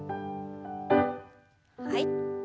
はい。